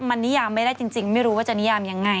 มันนิยามไม่ได้จริงไม่รู้ว่าจะนิยามยังไง